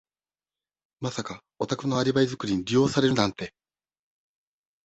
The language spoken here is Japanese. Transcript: まさかお宅のアリバイ作りに利用されるなんて。